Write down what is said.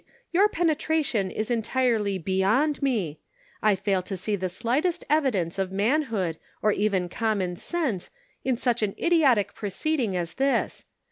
your penetration is entirely beyond me ; I fail to see the slightest evidence of man hood, or even common sense, in such an idiotic proceeding as this.